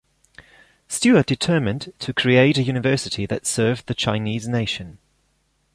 Stuart determined to create a university that served the Chinese nation.